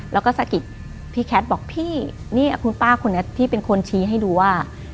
แล้วก็สะกิดพี่แคทบอกพี่เนี่ยคุณป้าคนนี้พี่เป็นคนชี้ให้ดูว่า